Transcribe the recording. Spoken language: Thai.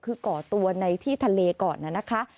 คือก่อตัวในที่ทะเลก่อนนะคะ